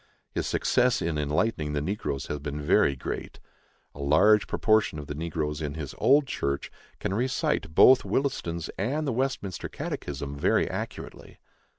"His success in enlightening the negroes has been very great. A large proportion of the negroes in his old church can recite both Williston's and the Westminster Catechism very accurately."